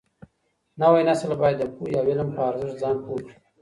نوی نسل بايد د پوهي او علم په ارزښت ځان پوه کړي.